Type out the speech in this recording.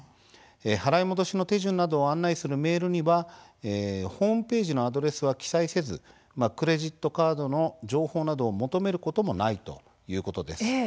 払い戻しの手順などを案内するメールにはホームページのアドレスは記載せずクレジットカードの情報などを求めることもないということです。